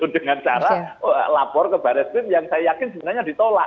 dengan cara lapor ke baris krim yang saya yakin sebenarnya ditolak